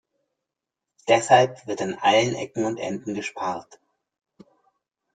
Deshalb wird an allen Ecken und Enden gespart.